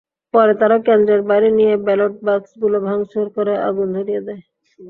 পরে তাঁরা কেন্দ্রের বাইরে নিয়ে ব্যালট বাক্সগুলো ভাঙচুর করে আগুন ধরিয়ে দেয়।